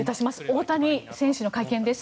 大谷選手の会見です。